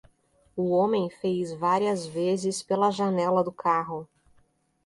O homem fez várias vezes pela janela do carro.